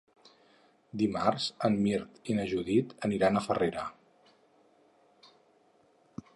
Dimarts en Mirt i na Judit aniran a Farrera.